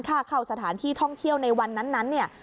เข้าสถานที่ท่องเที่ยวในวันนั้นเนี่ย